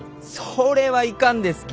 それはいかんですき！